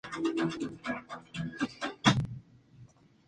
Si ambos luchadores están fuera del ring, el conteo se inicia para ambos.